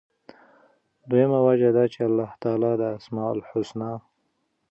دویمه وجه دا چې الله تعالی د أسماء الحسنی،